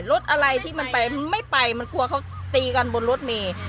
รถอะไรที่มันไปไม่ไปมันกลัวเขาตีกันบนรถเมย์